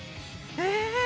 え